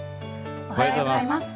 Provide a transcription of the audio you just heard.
おはようございます。